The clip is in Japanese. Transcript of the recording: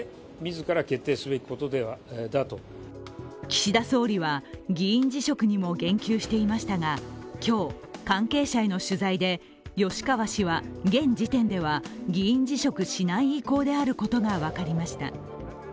岸田総理は議員辞職にも言及していましたが今日、関係者への取材で、吉川氏は現時点では議員辞職しない意向であることが分かりました。